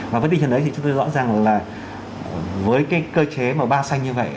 và với tinh thần đấy thì chúng tôi rõ ràng là với cái cơ chế mà ba xanh như vậy